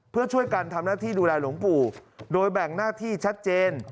เพื่อช่วยกันทำหน้าที่ดูแลหลวงปู่โดยแบ่งหน้าที่ชัดเจน